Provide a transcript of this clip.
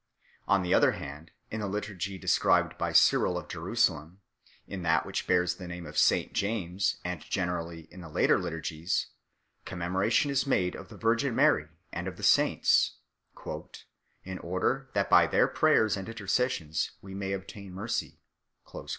On the other hand, in the liturgy described by Cyril of Jerusalem 3 , in that which bears the name of St James, and generally in the later liturgies, commemoration is made of the Virgin Mary and of the saints "in order that by their prayers and intercessions we may obtain mercy 4 ."